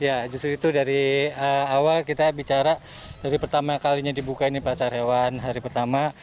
ya justru itu dari awal kita bicara dari pertama kalinya dibuka ini pasar hewan hari pertama